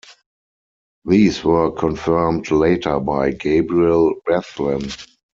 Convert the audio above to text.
These were confirmed later by Gabriel Bethlen.